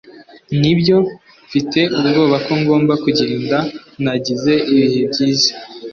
nibyo, mfite ubwoba ko ngomba kugenda. nagize ibihe byiza